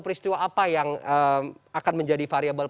peristiwa apa yang akan menjadi variable